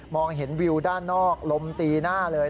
เห็นวิวด้านนอกลมตีหน้าเลย